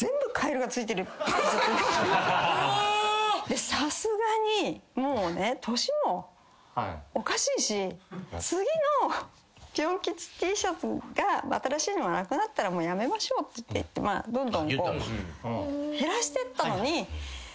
でさすがにもうね年もおかしいし次のピョン吉Ｔシャツが新しいのがなくなったらもうやめましょうっていってどんどん減らしてったのに。